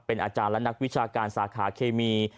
อาจารย์และนักวิชาการสาขาเคมี